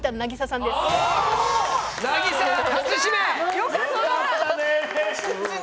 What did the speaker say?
よかった！